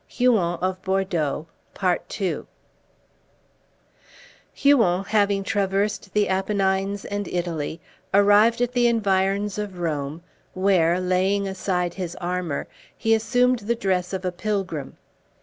HUON OF BORDEAUX (Continued) HUON, having traversed the Apennines and Italy, arrived at the environs of Rome, where, laying aside his armor, he assumed the dress of a pilgrim.